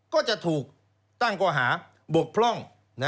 ก็จะถูกตั้งก่อหาบกพร่อง